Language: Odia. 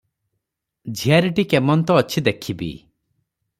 ଝିଆରିଟି କେମନ୍ତ ଅଛି ଦେଖିବି ।